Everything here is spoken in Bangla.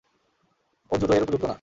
ওর জুতো এর উপযুক্ত না।